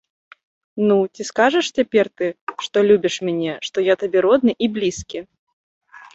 Ну, ці скажаш цяпер ты, што любіш мяне, што я табе родны і блізкі?